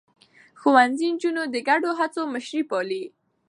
ښوونځی نجونې د ګډو هڅو مشري پالي.